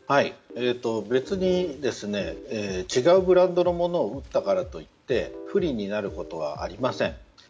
別に違うブランドのものを打ったからといって不利になることはありません。